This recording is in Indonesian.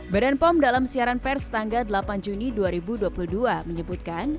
badan pom dalam siaran pers tanggal delapan juni dua ribu dua puluh dua menyebutkan